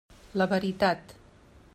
La veritat.